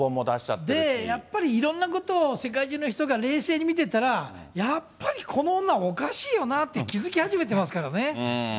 やっぱりいろんなことを、世界中の人が冷静に見てたら、やっぱりこの女おかしいよなって気付き始めてますからね。